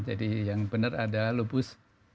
jadi yang benar ada lupus